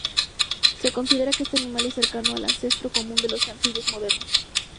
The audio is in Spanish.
Se considera que este animal es cercano al ancestro común de los anfibios modernos.